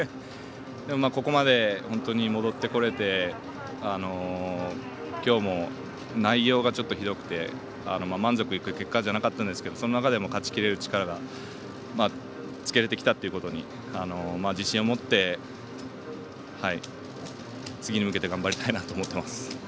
ここまで本当に戻ってこれてきょうも、内容がちょっと、ひどくて満足いく結果じゃなかったんですけどその中でも勝ちきれる力がつけれてきたってことに自信を持って、次に向けて頑張りたいなと思っています。